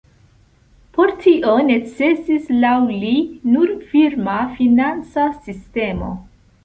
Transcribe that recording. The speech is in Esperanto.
Por tio necesis laŭ li nur firma financa sistemo.